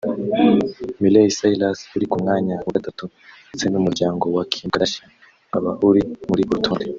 Miley Cyrus uri ku mwanya wa Gatanu ndetse n’umuryango wa Kim Kardashian ukaba uri muri uru rutonde